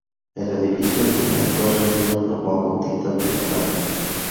El edificio original fue realizado por Juan Bautista Villalpando.